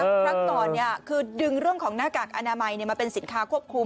ครั้งก่อนคือดึงเรื่องของหน้ากากอนามัยมาเป็นสินค้าควบคุม